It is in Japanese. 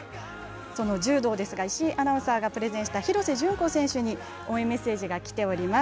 その柔道ですが石井アナウンサーがプレゼンした廣瀬順子選手に応援メッセージがきています。